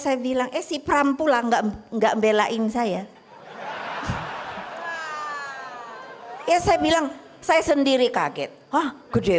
saya bilang eh si prampu langgan enggak belaing saya ya saya bilang saya sendiri kaget hah gede